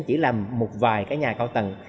chỉ làm một vài cái nhà cao tầng